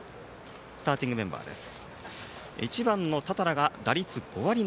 スターティングメンバーです。